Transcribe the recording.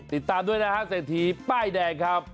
ติดตามด้วยนะฮะเศรษฐีป้ายแดงครับ